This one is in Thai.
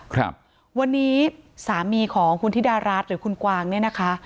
ครับวันนี้สามีของคุณธิดารัฐหรือคุณกวางเนี่ยนะคะ